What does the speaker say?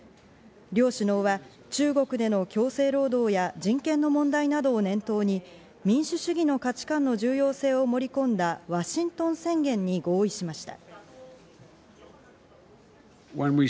両首脳は中国での強制労働や人権の問題などを念頭に民主主義の価値感の重要性を盛り込んだワシントン宣言に合意しました。